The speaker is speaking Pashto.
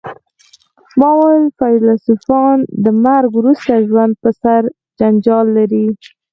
ما وویل فیلسوفان د مرګ وروسته ژوند په سر جنجال لري